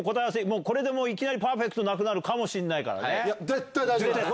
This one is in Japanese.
これでいきなりパーフェクトなくなるかもしれない。